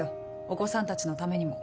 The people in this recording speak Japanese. お子さんたちのためにも。